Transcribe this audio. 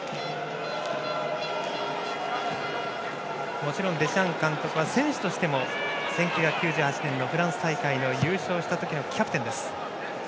もちろんデシャン監督は選手としても１９９８年のフランス大会の優勝した時のキャプテンです。